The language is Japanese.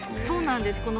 そうなんです。